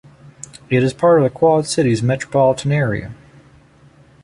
It is part of the Quad Cities metropolitan area.